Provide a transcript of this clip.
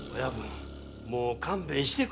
もう勘弁してくれ。